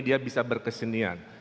dia bisa berkesenian